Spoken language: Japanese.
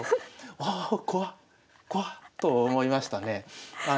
ああ怖怖と思いましたね。